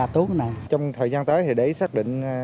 trong thời gian tới thì để xác định